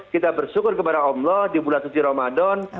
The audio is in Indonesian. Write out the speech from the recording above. kita bersyukur kepada allah di bulan suci ramadan